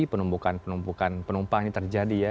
penumpukan penumpukan penumpang ini terjadi ya